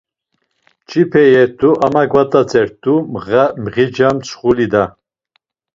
Mç̌ipe iyet̆u ama gvat̆atzet̆u, mğeca mtsxuli da.